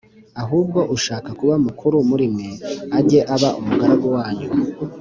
ahubwo ushaka kuba mukuru muri mwe ajye aba umugaragu wanyu